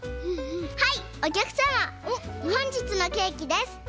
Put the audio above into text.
はいおきゃくさまほんじつのケーキです。